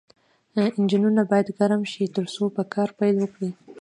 انجنونه باید ګرم شي ترڅو په کار پیل وکړي